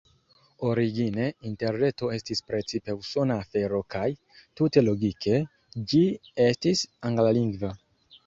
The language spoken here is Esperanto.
Origine Interreto estis precipe usona afero kaj, tute logike, ĝi estis anglalingva.